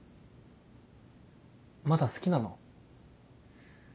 まだ好きなの？